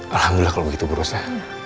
alhamdulillah kalau begitu bu rosnya